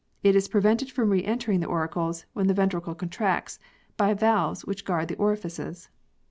It is prevented from re entering the auricles, when the ventricle contracts, by valves Avhich guard the orifices.